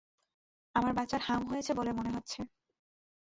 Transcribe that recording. আমার বাচ্চার হাম হয়েছে বলে মনে হচ্ছে।